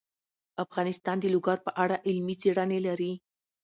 افغانستان د لوگر په اړه علمي څېړنې لري.